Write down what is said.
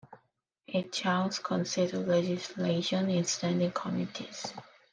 Each house considers legislation in standing committees.